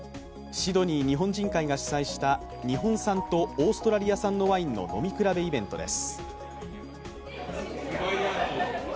シドニー日本人会が主催した日本産とオーストラリア産のワインの飲み比べイベントです。